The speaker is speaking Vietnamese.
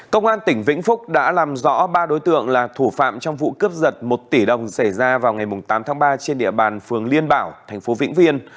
công an tỉnh vĩnh phúc đã làm rõ ba đối tượng là thủ phạm trong vụ cướp giật một tỷ đồng xảy ra vào ngày tám tháng ba trên địa bàn phường liên bảo thành phố vĩnh viên